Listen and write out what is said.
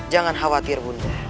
jangan khawatir bunda